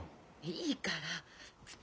いいから！